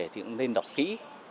thì cũng nên đọc kỹ